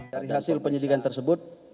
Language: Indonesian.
dari hasil penyidikan tersebut